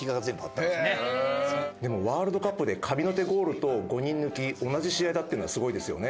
でもワールドカップで神の手ゴールと５人抜き同じ試合だっていうのはすごいですよね。